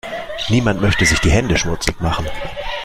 Niemand möchte sich die Hände schmutzig machen.